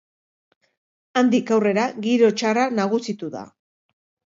Handik aurrera, giro txarra nagusitu da.